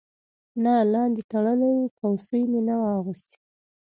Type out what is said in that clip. نه لاندې تړلی و، کوسۍ مې نه وه اغوستې.